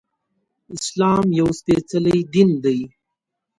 اسلام يو سپيڅلی دين دی